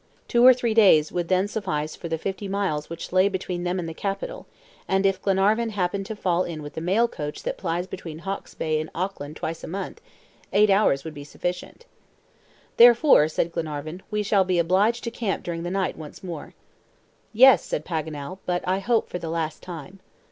Two or three days would then suffice for the fifty miles which lay between them and the capital; and if Glenarvan happened to fall in with the mail coach that plies between Hawkes' Bay and Auckland twice a month, eight hours would be sufficient. "Therefore," said Glenarvan, "we shall be obliged to camp during the night once more." "Yes," said Paganel, "but I hope for the last time."